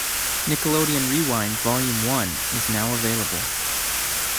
Nickelodeon Rewind Volume One is now available.